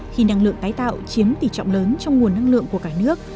khi năng lượng tái tạo chiếm tỷ trọng lớn trong nguồn năng lượng của cả nước